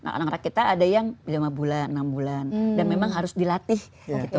nah orang orang kita ada yang lima bulan enam bulan dan memang harus dilatih gitu